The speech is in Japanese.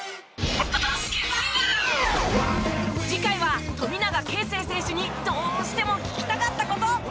次回は富永啓生選手にどうしても聞きたかった事！